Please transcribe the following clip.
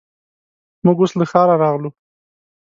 موږ اوس له ښاره راغلو.